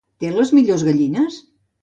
Té les millors gallines?